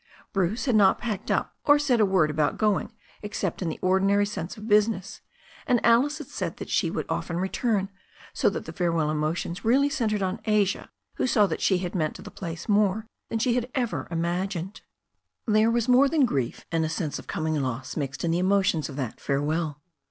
Bruce had not packed up, or said a word about going except in the ordinary course of business, and Alice had said that she would often return, so that the farewell emotions really centred on Asia, who saw that she had meant to the place more than she ever imagined. There was more than grief and a sense of coming loss mixed in the emotions of that farewell.